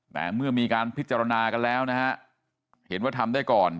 แต่เมื่อมีการพิจารณากันแล้วนะฮะเห็นว่าทำได้ก่อน